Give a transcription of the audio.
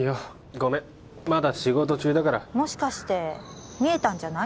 ごめんまだ仕事中だからもしかして見えたんじゃない？